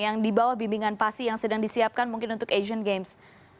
yang di bawah bimbingan pasi yang sedang disiapkan mungkin untuk asian games